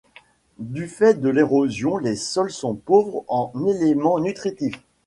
Du fait de l'érosion, les sols sont pauvres en éléments nutritifs.